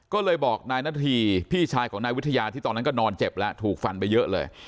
ก็เลยบอกนายนาธีพี่ชายของนายวิทยาที่ตอนนั้นก็นอนเจ็บแล้วถูกฟันไปเยอะเลย